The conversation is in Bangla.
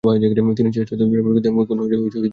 তিনি চেষ্টা তদবিরের তেমন কোনো ত্রুটি করেন নি।